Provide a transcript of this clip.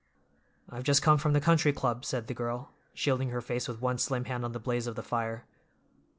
"I've just come from the Country Club," said the girl, shielding her face with one slim hand from the blaze of the fire.